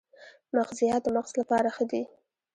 مغزيات د مغز لپاره ښه دي